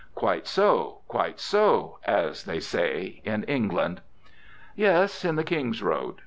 Quite so, quite so, as they say in England. Yes, in the King's Road.